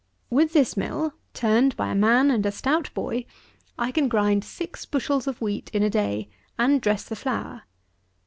94. With this mill, turned by a man and a stout boy, I can grind six bushels of wheat in a day and dress the flour.